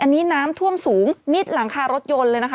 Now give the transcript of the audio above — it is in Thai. อันนี้น้ำท่วมสูงมิดหลังคารถยนต์เลยนะคะ